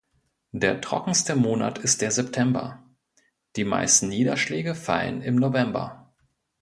Der trockenste Monat ist der September, die meisten Niederschläge fallen im November.